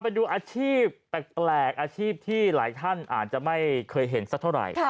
ไปดูอาชีพแปลกอาชีพที่หลายท่านอาจจะไม่เคยเห็นสักเท่าไหร่